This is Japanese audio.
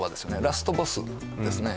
ラストボスですね